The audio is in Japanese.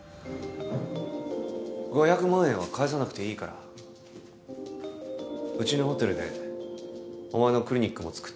５００万円は返さなくていいからうちのホテルでお前のクリニックもつくってあげるよ